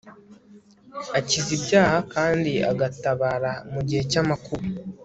akiza ibyaha kandi agatabara mu gihe cy'amakuba